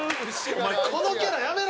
お前このキャラやめろ